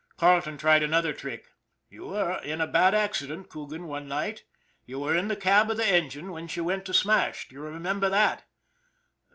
Carleton tried another tack. '* You were in a bad accident, Coogan, one night. You were in the cab of the engine when she went to smash. Do you remember that